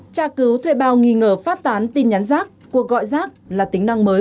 trà cứu thuê bao nghi ngờ phát tán tin nhắn giác cuộc gọi giác là tính năng mới